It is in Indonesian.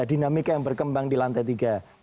dinamika yang berkembang di lantai tiga